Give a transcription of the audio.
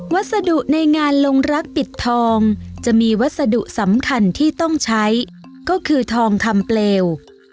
วัสดุในงานลงรักปิดทองจะมีวัสดุสำคัญที่ต้องใช้ก็คือทองคำเปลว